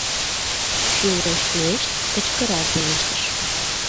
Шӱлешт-шӱлешт, кычкырал пелештыш: